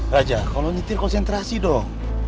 raja kalau nyetir konsentrasi dong